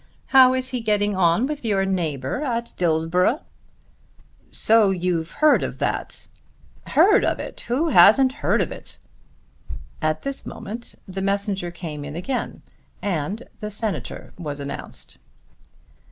How is he getting on with your neighbour at Dillsborough?" "So you've heard of that." "Heard of it! who hasn't heard of it?" At this moment the messenger came in again and the Senator was announced.